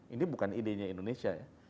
ini bukan ide nya indonesia ya